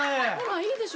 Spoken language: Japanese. いいでしょ？